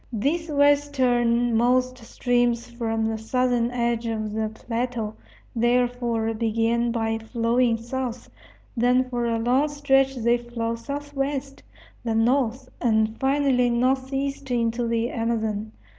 These westernmost streams from the southern edge of the plateau, therefore, begin by flowing south; then for a long stretch they flow southwest; then north, and finally northeast into the Amazon.